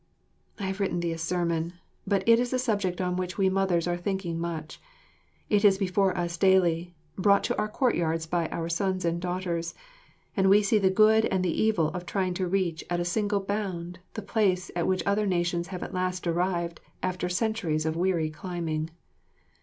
I have written thee a sermon, but it is a subject on which we mothers are thinking much. It is before us daily, brought to our courtyards by our sons and daughters, and we see the good and the evil of trying to reach at a single bound the place at which other nations have at last arrived after centuries of weary climbing.